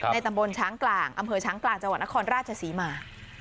ตำบลช้างกลางอำเภอช้างกลางจังหวัดนครราชศรีมา